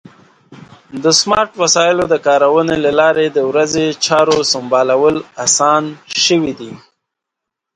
د سمارټ وسایلو د کارونې له لارې د ورځې چارو سمبالول اسان شوي دي.